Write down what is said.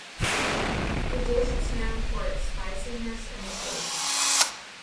The dish is known for its spiciness and taste.